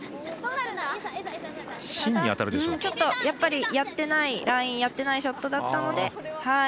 やっぱりやってないラインやってないショットでしたので。